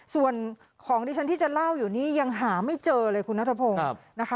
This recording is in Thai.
ส่วนของที่ฉันที่จะเล่าอยู่นี่ยังหาไม่เจอเลยคุณนัทพงศ์นะคะ